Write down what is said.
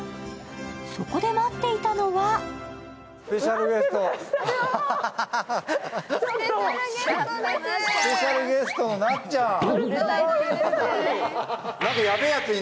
そこで待っていたのはスペシャルゲスト、なっちゃん。